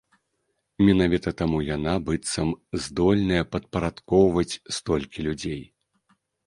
Менавіта таму яна, быццам, здольная падпарадкоўваць столькі людзей.